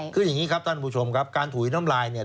คืออย่างนี้ครับท่านผู้ชมครับการถุยน้ำลายเนี่ย